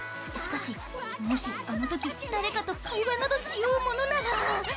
しかしもしあのとき誰かと会話などしようものなら。